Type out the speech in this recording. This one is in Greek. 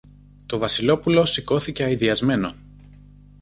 Το Βασιλόπουλο σηκώθηκε αηδιασμένο.